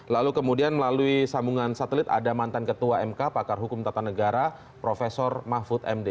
lalu kemudian melalui sambungan satelit ada mantan ketua mk pakar hukum tata negara prof mahfud md